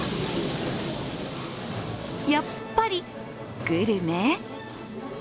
やっぱりグルメ？